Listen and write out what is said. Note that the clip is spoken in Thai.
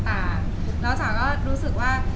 แล้วจ๋าก็รู้สึกว่า